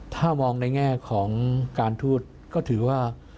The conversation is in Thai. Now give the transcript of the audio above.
ถ้ามองในแง่ของการทูตก็ถือว่า